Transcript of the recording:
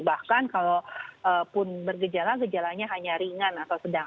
bahkan kalau pun bergejala gejalanya hanya ringan atau sedang